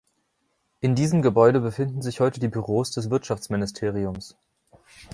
In diesem Gebäude befinden sich heute die Büros des Wirtschaftsministeriums.